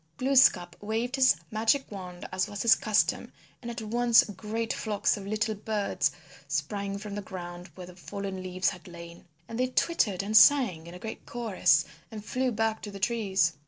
Glooskap waved his magic wand as was his custom, and at once great flocks of little birds sprang from the ground where the fallen leaves had lain. And they twittered and sang in a great chorus and flew back to the trees.